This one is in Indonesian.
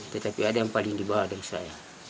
tetapi ada yang paling dibawa dari saya